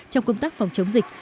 trong công tác phòng chống dịch